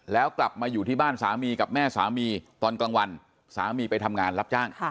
แล้วกลับมาอยู่ที่บ้านสามีกับแม่สามีตอนกลางวันสามีไปทำงานรับจ้าง